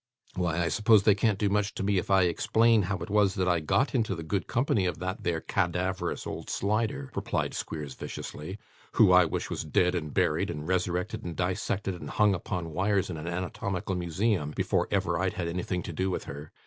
'Why, I suppose they can't do much to me, if I explain how it was that I got into the good company of that there ca daverous old Slider,' replied Squeers viciously, 'who I wish was dead and buried, and resurrected and dissected, and hung upon wires in a anatomical museum, before ever I'd had anything to do with her.